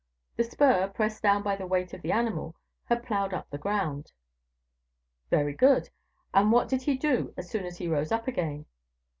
The spur, pressed down by the weight of the animal, had plowed up the ground." "Very good; and what did he do as soon as he rose up again?"